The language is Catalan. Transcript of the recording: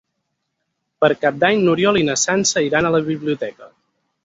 Per Cap d'Any n'Oriol i na Sança iran a la biblioteca.